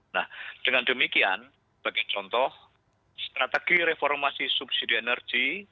nah dengan demikian sebagai contoh strategi reformasi subsidi energi